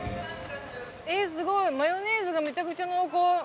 えっすごいマヨネーズがめちゃくちゃ濃厚。